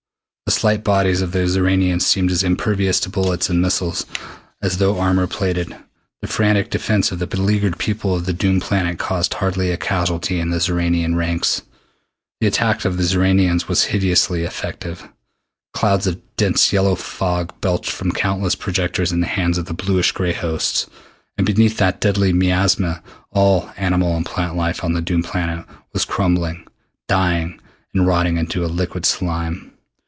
The slight bodies of the Xoranians seemed as impervious to bullets and missiles as though armor plated. The frantic defense of the beleaguered people of the doomed planet caused hardly a casualty in the Xoranian ranks. The attack of the Xoranians was hideously effective. Clouds of dense yellow fog belched from countless projectors in the hands of the bluish gray hosts, and beneath that deadly miasma all animal and plant life on the doomed planet was crumbling, dying, and rotting into a liquid slime.